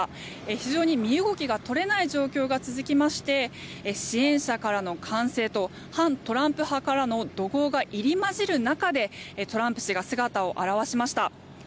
非常に身動きが取れない状況が続きまして支援者からの歓声と反トランプ派からの怒号が入り交じる中でトランプ氏が姿を現しました。